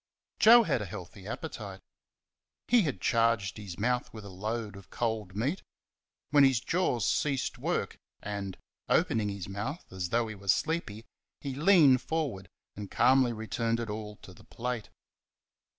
Joe had a healthy appetite. He had charged his mouth with a load of cold meat, when his jaws ceased work, and, opening his mouth as though he were sleepy, he leaned forward and calmly returned it all to the plate.